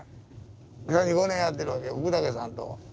３５年やってるわけや福武さんと。